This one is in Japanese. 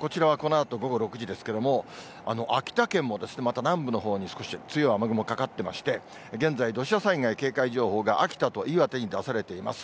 こちらはこのあと午後６時ですけれども、秋田県も、また南部のほうに少し強い雨雲かかってまして、現在、土砂災害警戒情報が秋田と岩手に出されています。